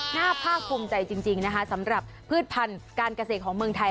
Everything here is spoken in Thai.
ภาคภูมิใจจริงนะคะสำหรับพืชพันธุ์การเกษตรของเมืองไทย